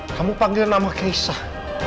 kamu panggil nama keisah